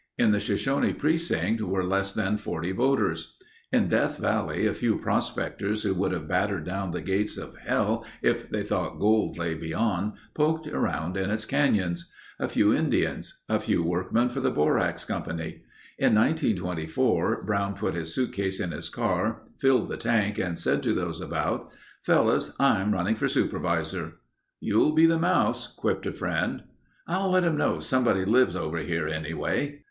In the Shoshone precinct were less than 40 voters. In Death Valley a few prospectors who would have battered down the gates of hell if they thought gold lay beyond, poked around in its canyons. A few Indians. A few workmen for the Borax Company. In 1924 Brown put his suitcase in his car, filled the tank and said to those about: "Fellows, I'm running for Supervisor." "You'll be the mouse," quipped a friend. "I'll let 'em know somebody lives over here anyway...."